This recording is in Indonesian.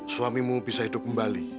suamimu bisa hidup kembali